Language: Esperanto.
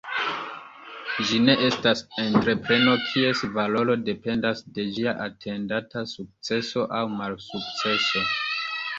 Ĝi ne estas entrepreno, kies valoro dependas de ĝia atendata sukceso aŭ malsukceso.